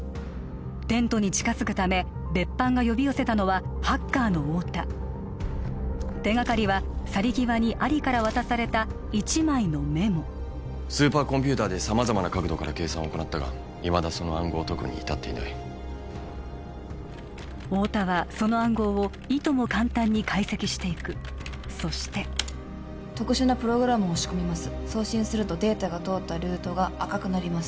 テントに近づくため別班が呼び寄せたのはハッカーの太田手掛かりは去り際にアリから渡された１枚のメモスーパーコンピューターで様々な角度から計算を行ったがいまだその暗号を解くに至っていない太田はその暗号をいとも簡単に解析していくそして特殊なプログラムを仕込みます送信するとデータが通ったルートが赤くなります